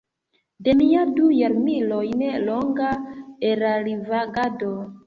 De mia du jarmilojn longa erarvagado.